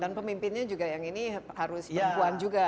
dan pemimpinnya juga yang ini harus perempuan juga